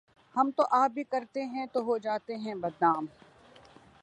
ہم آہ بھی کرتے ہیں تو ہو جاتے ہیں بدنام۔